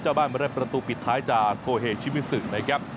เจ้าบ้านมาเรียบประตูปิดท้ายจากโทเหชมิซุนะครับ